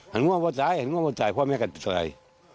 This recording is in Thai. หันงั่วมันตายหันงั่วมันตายพ่อแม่ก็ตาย